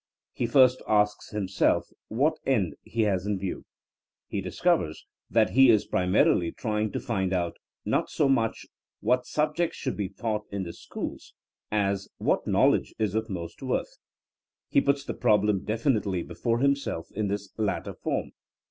He first asks himself what end he has in view. He discovers that he is pri marily trying to find out not so much — ^what subjects should be taught in the schools? as — what knowledge is of most worth! He puts the problem definitely before himself in this latter form.